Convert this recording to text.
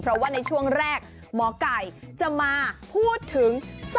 เพราะว่าในช่วงแรกหมอไก่จะมาพูดถึง